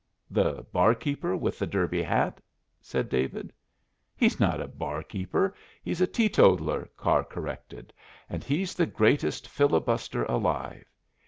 "The barkeeper with the derby hat?" said David. "He's not a barkeeper, he's a teetotaler," Carr corrected, "and he's the greatest filibuster alive.